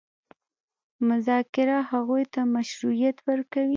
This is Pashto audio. مذاکره هغوی ته مشروعیت ورکوي.